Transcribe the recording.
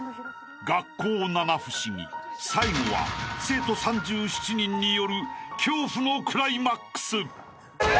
［学校七不思議最後は生徒３７人による恐怖のクライマックス］